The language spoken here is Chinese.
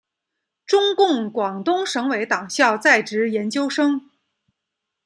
中共广东省委党校在职研究生。